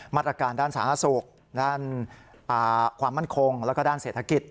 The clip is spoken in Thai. มาตรการด้านสาธารณสุขด้านความมั่นคงแล้วก็ด้านเศรษฐกิจ